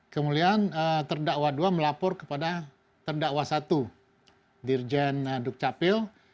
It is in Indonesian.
kemudian terdakwa dua melapor kepada terdakwa satu dirjen dukcapil